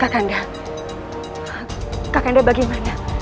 kakak anda kakak anda bagaimana